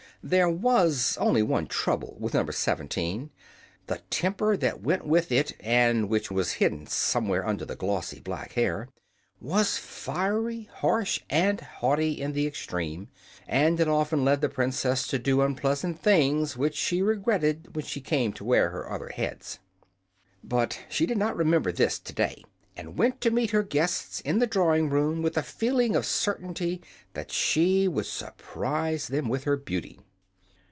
There was only one trouble with No. 17; the temper that went with it (and which was hidden somewhere under the glossy black hair) was fiery, harsh and haughty in the extreme, and it often led the Princess to do unpleasant things which she regretted when she came to wear her other heads. But she did not remember this today, and went to meet her guests in the drawing room with a feeling of certainty that she would surprise them with her beauty.